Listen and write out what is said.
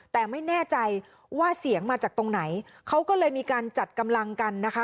แต่ไม่แน่ใจว่าเสียงมาจากตรงไหนเขาก็เลยมีการจัดกำลังกันนะคะ